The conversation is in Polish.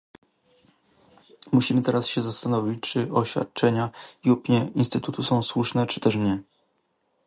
Musimy teraz się zastanowić, czy oświadczenia i opinie Instytutu są słuszne, czy też nie